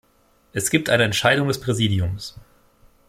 Es gibt eine Entscheidung des Präsidiums.